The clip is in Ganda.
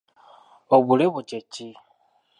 Obuleebo kye ki?